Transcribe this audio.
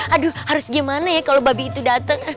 aduh harus gimana ya kalau babi itu datang